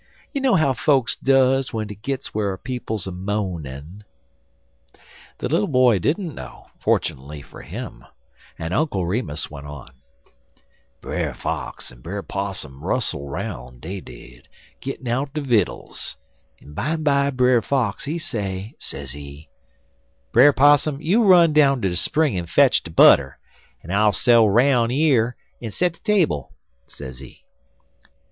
You know how fokes duz w'en dey gits whar people's a moanin'." The little boy didn't know, fortunately for him, and Uncle Remus went on: "Brer Fox en Brer Possum rustle roun', dey did, gittin out de vittles, en bimeby Brer Fox, he say, sezee: "'Brer Possum, you run down ter de spring en fetch de butter, en I'll sail 'roun' yer en set de table,' sezee.